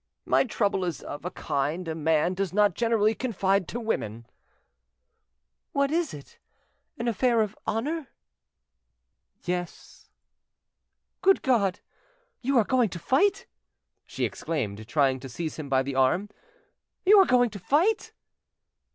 My trouble is of a kind a man does not generally confide to women." "What is it? An affair of honour? "Yes." "Good God! You are going to fight!" she exclaimed, trying to seize him by the arm. "You are going to fight!"